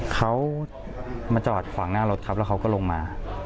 เขามาจอดขวางหน้ารถครับแล้วเขาก็ลงมา